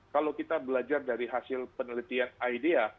kalau kita belajar dari hasil penelitian idea